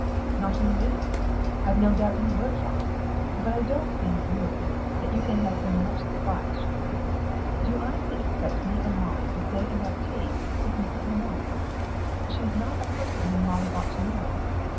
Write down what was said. "Not in the least. I've no doubt you were shocked; but I don't think really that you can have been much surprised, you know. Did you honestly expect me and Molly to stay and have tea with Mrs. Le Moine? She's not a person whom Molly ought to know.